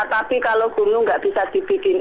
tapi kalau gunung nggak bisa dibikin